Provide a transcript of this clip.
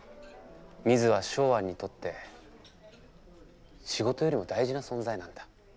ミズはショウアンにとって仕事よりも大事な存在なんだ。